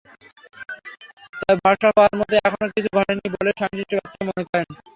তবে ভরসা পাওয়ার মতো এখনো কিছু ঘটেনি বলেই সংশ্লিষ্ট ব্যক্তিরা মনে করেন।